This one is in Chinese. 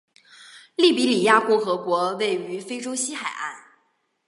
利比里亚共和国位于非洲西海岸。